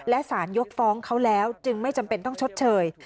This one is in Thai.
และสารยกฟ้องเขาแล้วจึงไม่จำเป็นต้องชดเชย